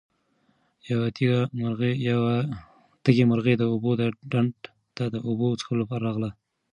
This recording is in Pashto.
یوه تږې مرغۍ د اوبو ډنډ ته د اوبو څښلو لپاره راغله.